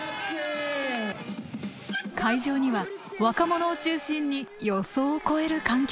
会場には若者を中心に予想を超える観客が集まった。